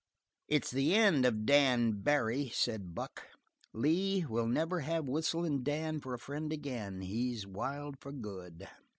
"It's the end of Dan Barry," said Buck. "Lee, we'll never have Whistlin' Dan for a friend again. He's wild for good."